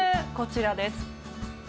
こちらです。